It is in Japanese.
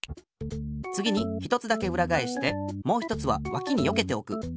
つぎに１つだけうらがえしてもう１つはわきによけておく。